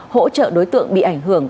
hỗ trợ đối tượng bị ảnh hưởng